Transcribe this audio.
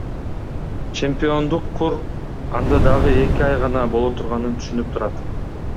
Чемпиондук кур анда дагы эки ай гана боло турганын түшүнүп турат.